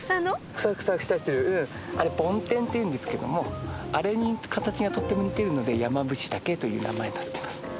フサフサしてるうんあれ梵天っていうんですけどもあれに形がとっても似てるのでヤマブシタケという名前になってます。